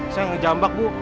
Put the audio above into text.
saya ngejambak bu